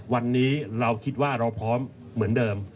วันนี้เราคิดว่าเราพร้อมเหมือนเดิม